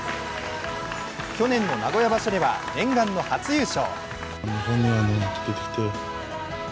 去年の名古屋場所では念願の初優勝。